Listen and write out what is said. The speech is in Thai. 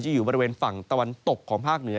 อยู่บริเวณฝั่งตะวันตกของภาคเหนือ